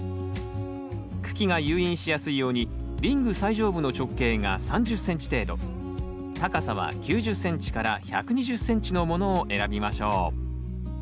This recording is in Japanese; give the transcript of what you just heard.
茎が誘引しやすいようにリング最上部の直径が３０ｃｍ程度高さは９０ｃｍから１２０ｃｍのものを選びましょう。